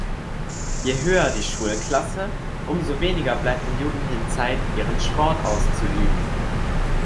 Je höher die Schulklasse, umso weniger bleibt den Jugendlichen Zeit, ihren Sport auszuüben.